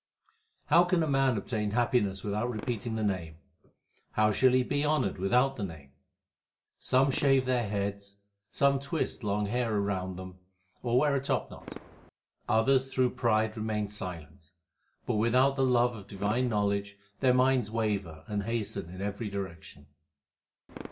How can man obtain happiness without repeating the Name ? How shall he be honoured without the Name ? Some shave their heads, some twist long hair round them or wear a top knot ; others through pride remain silent ; But without the love of divine knowledge their minds waver and hasten in every direction.